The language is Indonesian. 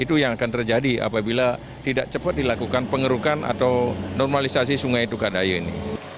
terjadi apabila tidak cepat dilakukan pengerukan atau normalisasi sungai tukad daya ini